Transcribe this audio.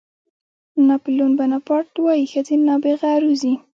ناپلیون بناپارټ وایي ښځې نابغه روزي.